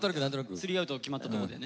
スリーアウト決まったとこでね。